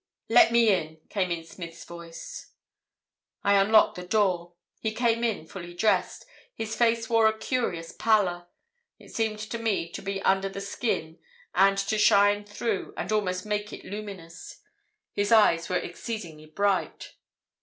"'Let me in,' came in Smith's voice. "I unlocked the door. He came in fully dressed. His face wore a curious pallor. It seemed to me to be under the skin and to shine through and almost make it luminous. His eyes were exceedingly bright.